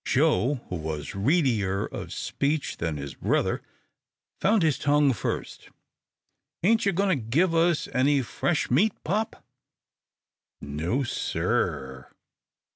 Joe, who was readier of speech than his brother, found his tongue first. "Ain't you goin' to give us any fresh meat, pop?" "No, sir r r."